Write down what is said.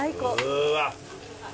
うわっ。